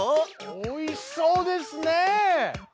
おいしそうですね！